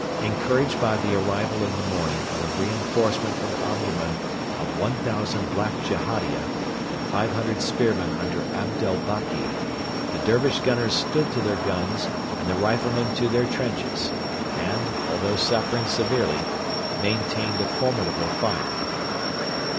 Encouraged by the arrival in the morning of a reinforcement from Omdurman of 1,000 Black Jehadia and 500 spearmen under Abdel Baki, the Dervish gunners stood to their guns and the riflemen to their trenches, and, although suffering severely, maintained a formidable fire.